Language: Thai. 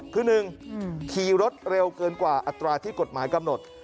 คือ๑ขี่รถเร็วเกินกว่าอัตราที่กฎหมายกำหนด